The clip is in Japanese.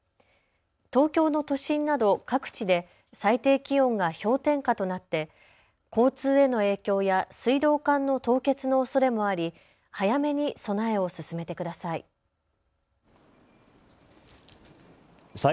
東京の都心など各地で最低気温が氷点下となって交通への影響や水道管の凍結のおそれもあり早めに備えを進めてください。